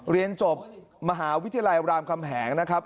เรียนจบมหาวิทยาลัยรามคำแหงนะครับ